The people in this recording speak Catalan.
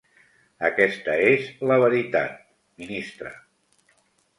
Aquesta és la veritat, ministre.